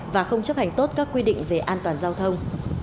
và không chấp hành tốt các quy định về an toàn giao thông